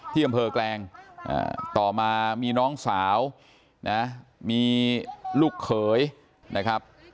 ที่อำเภอแกลงต่อมามีน้องสาวนะมีลูกเขยนะครับ